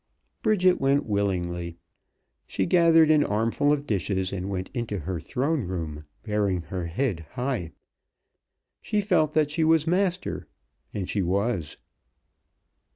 Bridget went, willingly. She gathered an armful of dishes, and went into her throne room, bearing her head high. She felt that she was master and she was.